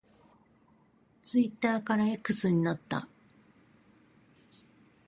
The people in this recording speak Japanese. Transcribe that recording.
ツイッターから X になった。